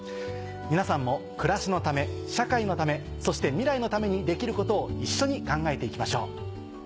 皆さんも暮らしのため社会のためそして未来のためにできることを一緒に考えて行きましょう。